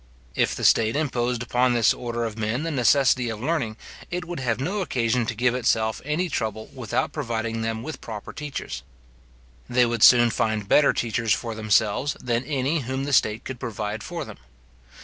If the state imposed upon this order of men the necessity of learning, it would have no occasion to give itself any trouble about providing them with proper teachers. They would soon find better teachers for themselves, than any whom the state could provide for them.